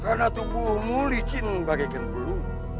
karena tubuhmu licin bagaikan peluru